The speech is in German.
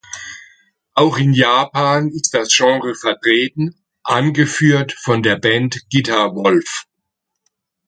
Auch in Japan ist das Genre vertreten, angeführt von der Band Guitar Wolf.